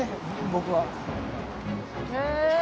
僕は。